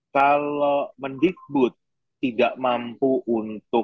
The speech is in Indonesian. kalau mendikbud tidak mampu untuk